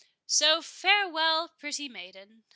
So, farewell, pretty maiden!